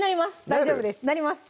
大丈夫です